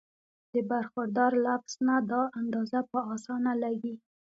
د برخوردار لفظ نه دا اندازه پۀ اسانه لګي